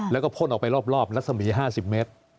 แล้วก็พลลออกไปรอบลักษณะมี๕๐เมตร